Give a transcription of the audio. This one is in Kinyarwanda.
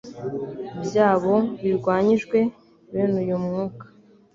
byabo birwanyijwe. Bene uyu mwuka